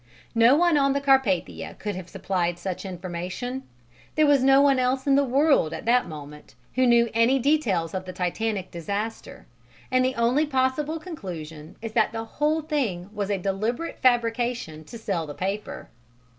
No one on the Carpathia could have supplied such information; there was no one else in the world at that moment who knew any details of the Titanic disaster, and the only possible conclusion is that the whole thing was a deliberate fabrication to sell the paper.